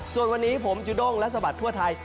ส่วนวันนี้ผมจุด้งและสะบัดทั่วไทย